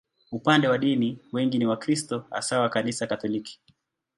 Upande wa dini, wengi ni Wakristo, hasa wa Kanisa Katoliki.